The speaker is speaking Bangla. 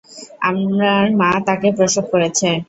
আমার মা তাকে প্রসব করেছে।